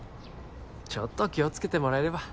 ちょっと気をつけてもらえれば。